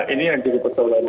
ini yang jadi tertelur